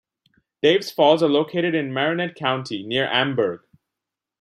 Dave's Falls are located in Marinette County, near Amberg.